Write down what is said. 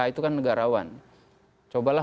itu kan negarawan cobalah